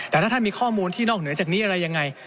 แต่ถ้าท่านมีข้อมูลที่นอกเหนือจากนี้อะไรยังไง